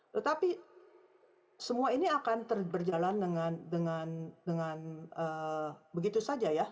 tetapi semua ini akan berjalan dengan begitu saja ya